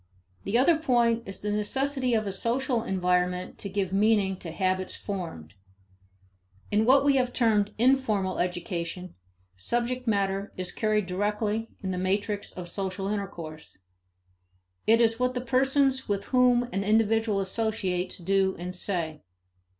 The other point is the necessity of a social environment to give meaning to habits formed. In what we have termed informal education, subject matter is carried directly in the matrix of social intercourse. It is what the persons with whom an individual associates do and say.